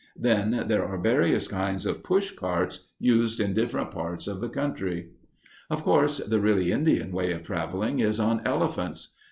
Then there are various kinds of push carts used in different parts of the country. Of course, the really Indian way of traveling is on elephants.